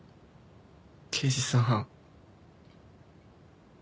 刑事さん。